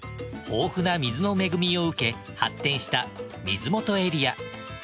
豊富な水の恵みを受け発展した水元エリア。